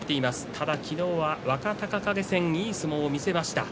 ただ昨日は若隆景戦にいい相撲を見せました。